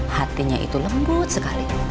hatinya itu lembut sekali